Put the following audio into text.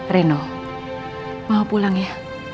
reno mau pulang ya